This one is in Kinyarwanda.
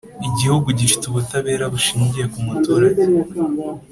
igihugu gifite ubutabera bushingiye kumuturage